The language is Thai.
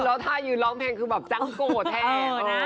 แล้วถ้ายืนร้องเพลงคือแบบจังโกรธแทน